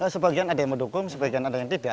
sebagian ada yang mendukung sebagian ada yang tidak